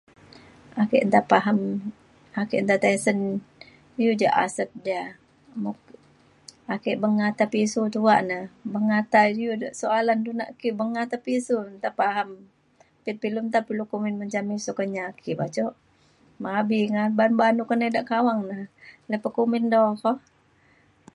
ake nta paham ake nta tisen iu ja aset ja mu- ake mengata pisu tuak ne mengata iu de soalan du nak ki beng ngata pisu nta paham. pet pe ilu nta perlu kumbin menjam isu Kenyah ake ba cok mabi ngaban nai kenai ida kawang de na pa kumbin dau ko